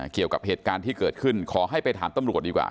เกี่ยวกับเหตุการณ์ที่เกิดขึ้นขอให้ไปถามตำรวจดีกว่า